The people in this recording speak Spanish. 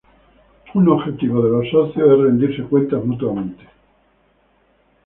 Un objetivo de los socios es rendirse cuentas mutuamente.